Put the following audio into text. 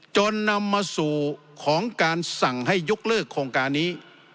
จนนำมาสู่ของการสั่งให้ยกเลิกโครงการนี้